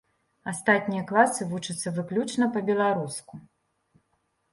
Астатнія класы вучацца выключна па-беларуску.